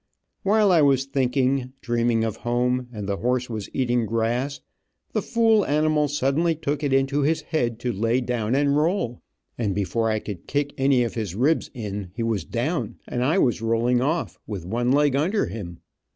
While I was thinking, dreaming of home, and the horse was eating grass, the fool animal suddenly took it into his head to lay down and roll, and before I could kick any of his ribs in, he was down, and I was rolling off, with one leg under him.